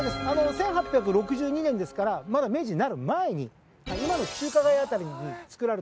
１８６２年ですからまだ明治になる前に。